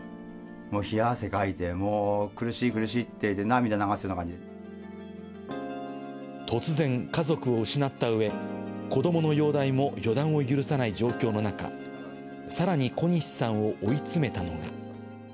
もう冷や汗かいて、もう苦しい、苦しいって、突然、家族を失ったうえ、子どもの容体も予断を許さない状況の中、さらに小西さんを追い詰めたのが。